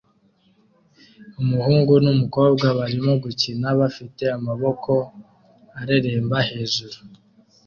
Umuhungu numukobwa barimo gukina bafite amaboko areremba hejuru